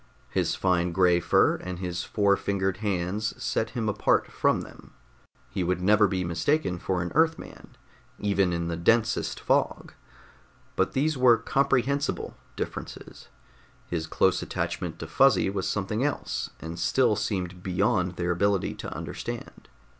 His fine gray fur and his four fingered hands set him apart from them he would never be mistaken for an Earthman, even in the densest fog. But these were comprehensible differences. His close attachment to Fuzzy was something else, and still seemed beyond their ability to understand.